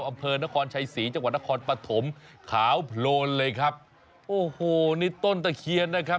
อำเภอนครชัยศรีจังหวัดนครปฐมขาวโพลนเลยครับโอ้โหนี่ต้นตะเคียนนะครับ